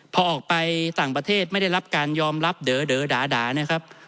พอออกไปต่างประเทศไม่ได้รับการยอมรับเดอด่านะครับ